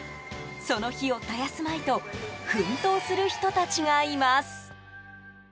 その火を絶やすまいと奮闘する人たちがいます。